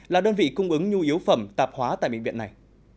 là đơn vị cung ứng nhu yếu phẩm tạp hóa tại bệnh viện này